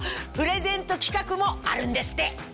プレゼント企画もあるんですって。